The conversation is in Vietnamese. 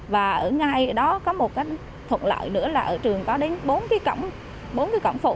và ở ngay đó có một thuận lợi nữa là ở trường có đến bốn cái cổng phụ